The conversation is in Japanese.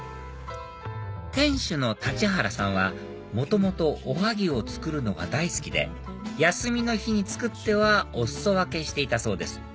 店主の立原さんは元々おはぎを作るのが大好きで休みの日に作ってはお裾分けしていたそうです